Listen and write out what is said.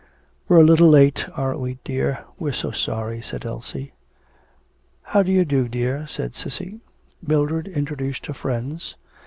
'We're a little late, aren't we, dear. We're so sorry,' said Elsie. 'How do you do, dear,' said Cissy. Mildred introduced her friends.